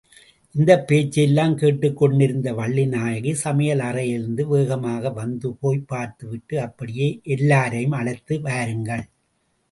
இந்தப் பேச்சையெல்லாம் கேட்டுக்கொண்டிருந்த வள்ளிநாயகி சமையல் அறையிலிருந்து வேகமாக வந்து, போய்ப் பார்த்துவிட்டு அப்படியே எல்லாரையும் அழைத்து வாருங்கள்.